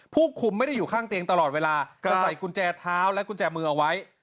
ผู้คุมไม่ได้อยู่ข้างเตียงตลอดเวลาแต่ใส่กุญแจเท้าและกุญแจมือเอาไว้